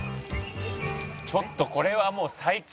ちょっとこれはもう最高！